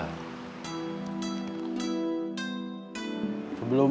ternyata selama anak sudah malam di bandung